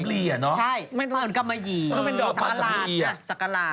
ใช่มันต้องเป็นสักกระหลาด